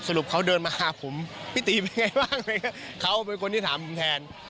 สรุปเขาเดินมาหาผมพี่ตียังไงบ้าง